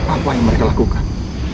apa yang mereka lakukan